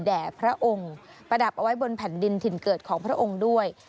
แด่พระองค์ประดับเอาไว้บนแผ่นดินถิ่นเกิดของพระองค์ด้วย